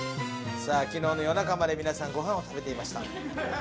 さあ昨日の夜中まで皆さんご飯を食べていました。